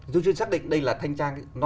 tôi chưa xác định đây là thanh tra